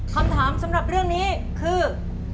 คำถามสำหรับเรื่องนี้คือ